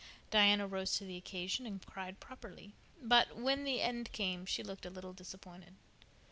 Diana rose to the occasion and cried properly; but, when the end came, she looked a little disappointed.